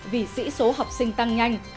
vì sĩ số học sinh tăng nhanh